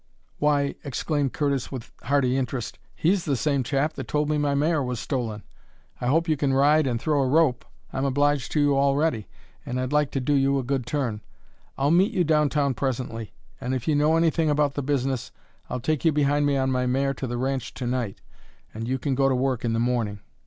"Why," exclaimed Curtis with hearty interest, "he's the same chap that told me my mare was stolen. I hope you can ride and throw a rope; I'm obliged to you already, and I'd like to do you a good turn. I'll meet you down town presently, and if you know anything about the business I'll take you behind me on my mare to the ranch to night, and you can go to work in the morning."